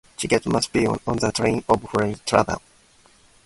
Tickets must be bought on the train or prior to travel.